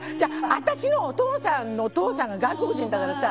私のお父さんのお父さんが外国人だからさ。